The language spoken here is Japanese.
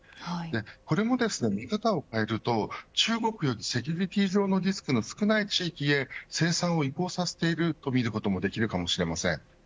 これもですね、見方を変えると中国よりセキュリティー上のリスクの少ない地域へ生産を移行させているとみることもできるかもしれません。